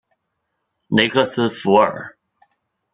雷克斯弗尔。